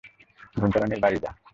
ঘুমপাড়ানির বাড়ি যাও!